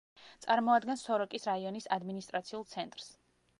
წარმოადგენს სოროკის რაიონის ადმინისტრაციულ ცენტრს.